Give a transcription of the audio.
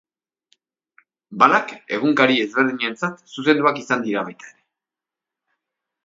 Balak egunkari ezberdinentzat zuzenduak izan dira baita ere.